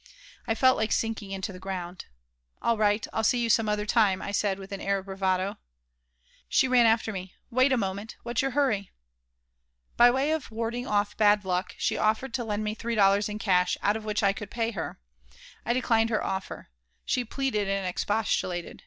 I felt like sinking into the ground. "All right, I'll see you some other time," I said, with an air of bravado She ran after me. "Wait a moment. What's your hurry?" By way of warding off "bad luck," she offered to lend me three dollars in cash, out of which I could pay her. I declined her offer. She pleaded and expostulated.